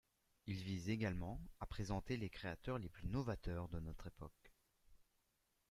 Il vise également à présenter les créateurs les plus novateurs de notre époque.